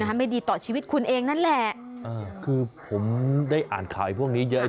ไม่ดีต่อชีวิตคุณเองนั่นแหละเออคือผมได้อ่านข่าวพวกนี้เยอะ